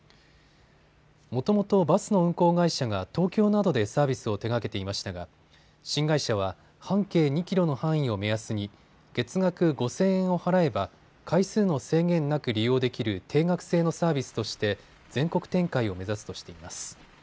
もともとバスの運行会社が東京などでサービスを手がけていましたが新会社は半径２キロの範囲を目安に月額５０００円を払えば回数の制限なく利用できる定額制のサービスとして全国展開を目指すとしています。